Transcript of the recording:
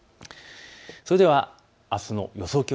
それではあすの予想